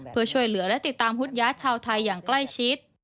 เพื่อช่วยเหลือและติดตามฮุดย้ายชาวไทยอย่างใกล้ชิด